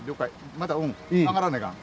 また上がらないかん。